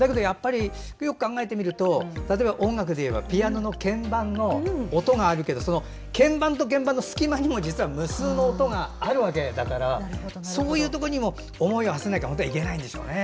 よく考えてみると音楽で言うとピアノの鍵盤のその鍵盤と鍵盤の隙間にも実は無数の音があるわけだからそういうところにも思いをはせないといけないんでしょうね。